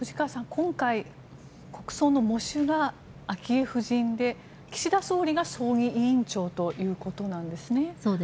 今回、国葬の喪主が昭恵夫人で岸田総理が葬儀委員長ということなんですね。